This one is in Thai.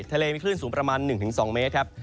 ทะเลมีคลื่นสูง๑๒เมตรครับ